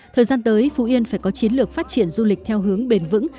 thời gian tới phú yên phải có chiến lược phát triển du lịch theo hướng bền vững